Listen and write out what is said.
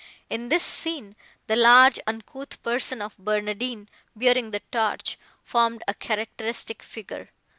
In this scene the large, uncouth person of Barnardine, bearing the torch, formed a characteristic figure.